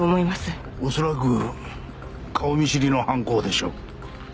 恐らく顔見知りの犯行でしょう。